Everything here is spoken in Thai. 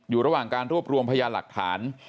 อยู่ระหว่างการรวบรวมพยานหลักฐาน